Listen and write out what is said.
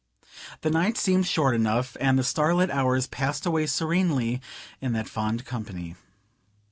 The night seemed short enough; and the starlit hours passed away serenely in that fond company.